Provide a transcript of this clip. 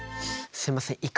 すいません